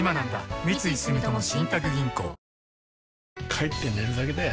帰って寝るだけだよ